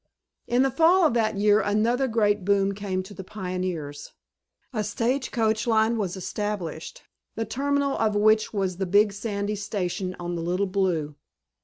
In the fall of that year another great boon came to the pioneers. A stage coach line was established, the terminal of which was the Big Sandy station on the Little Blue.